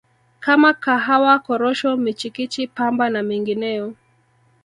kama Kahawa Korosho michikichi Pamba na mengineyo